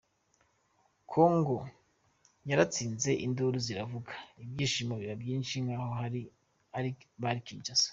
Congo yaratsinze induru ziravuga, ibyishimo biba byinshi nk’aho bari i Kinshasa.